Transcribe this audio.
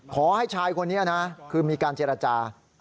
ขอให้ชายคนนี้นะคือมีการเจรจา